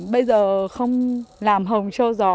bây giờ không làm hồng treo gió